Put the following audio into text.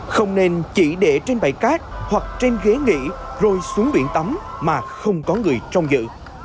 không nên chỉ để trên bãi cát hoặc trên ghế nghỉ rồi xuống biển tắm mà không có người trong dự